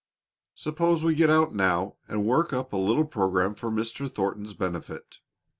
Suppose we get out now and work up a little program for Mr. Thornton's benefit."